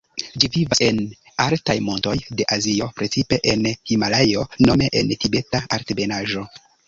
Ĝi vivas en altaj montoj de Azio, precipe en Himalajo, nome en Tibeta Altebenaĵo.